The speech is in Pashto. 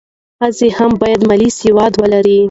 ښځې هم باید مالي سواد ولري.